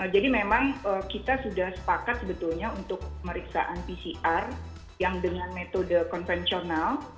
jadi memang kita sudah sepakat sebetulnya untuk pemeriksaan pcr yang dengan metode konvensional